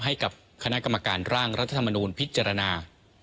ให้กับคณะกรรมการร่างรัฐธรรมนูลพิจารณา